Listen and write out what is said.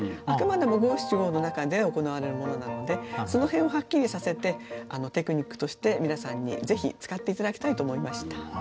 あくまでも五七五の中で行われるものなのでその辺をはっきりさせてテクニックとして皆さんにぜひ使って頂きたいと思いました。